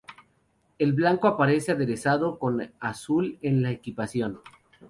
El blanco aparece aderezado con azul en la equipación.